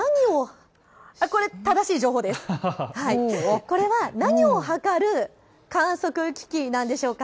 さてこれは何を測る観測機器なんでしょうか。